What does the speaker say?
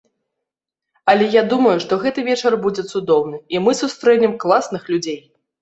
Але я думаю, што гэты вечар будзе цудоўны і мы сустрэнем класных людзей.